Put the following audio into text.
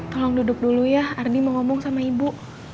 tolong duduk dulu ya ardi mau ngomong sama ibu